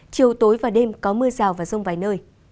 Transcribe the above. chiều tối và đêm có mưa rào và rông vài nơi